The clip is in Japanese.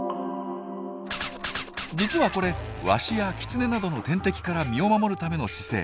実はこれワシやキツネなどの天敵から身を守るための姿勢。